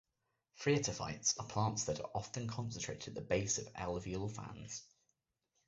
Phreatophytes are plants that are often concentrated at the base of alluvial fans.